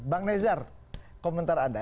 bang neza komentar anda